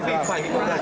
ini kurang ada jelas